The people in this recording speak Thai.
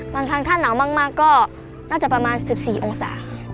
บางครั้งถ้าหนาวมากก็น่าจะประมาณ๑๔องศา